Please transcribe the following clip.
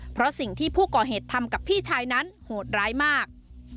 เพราะสิ่งที่ผู้ก่อเหตุทำกับพี่ชายนั้นโหดร้ายมาก